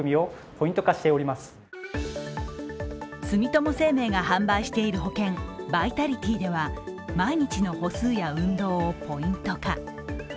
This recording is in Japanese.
住友生命が販売している保険Ｖｉｔａｌｉｔｙでは毎日の歩数や運動をポイント化。